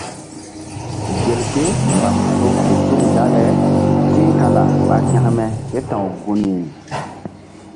Gelke mbam to ke suŋ dale ti̧h kala ɓa hȩkme ké ta̧w gunri.